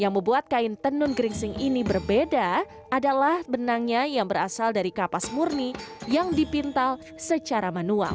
yang membuat kain tenun geringsing ini berbeda adalah benangnya yang berasal dari kapas murni yang dipintal secara manual